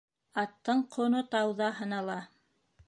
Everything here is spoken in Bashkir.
Аттың ҡонотауҙа һынала